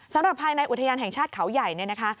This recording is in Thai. สำหรับภายในอุทยานแห่งชาติเขาใหญ่เนี่ยนะคะ